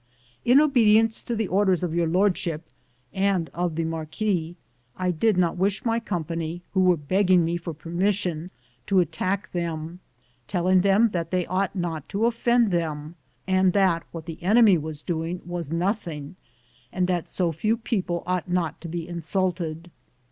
In obedience to the orders of Your Lordship and of the marquis,' I did not wish my company, who were begging me for permission, to attack them, telling them that they ought not to offend them, and that what the enemy was doing was nothing, and that so few people ought not to be insulted.